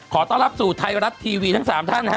ขอต้อนรับสู่ไทยรัฐทีวีทั้ง๓ท่านนะฮะ